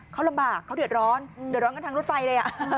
เขาลำบากเขาเดือดร้อนเดือดร้อนกันทางรถไฟเลย